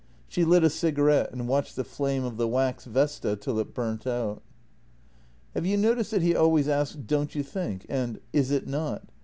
She lit a cigarette and watched the flame of the wax vesta till it burnt out. " Have you noticed that he always asks, ' Don't you think? ' and ' Is it not? '?